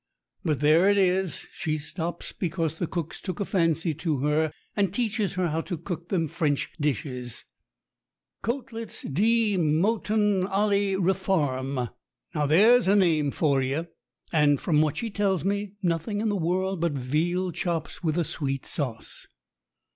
But there it is she stops because the cook's took a fancy to her, and teaches her to cook them French dishes. "Coatlets de mowtun ally refarm" there's a name for you, and from what she tells me, nothing in the world but veal chops with a sweet sauce